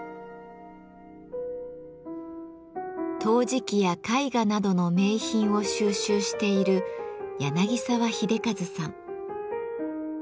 陶磁器や絵画などの名品を収集している澤秀和さん。